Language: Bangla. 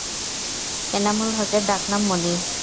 এনামুল হকের ডাক নাম "মনি"।